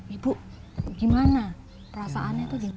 ibu gimana perasaannya itu gimana